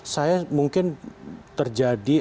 saya mungkin terjadi apa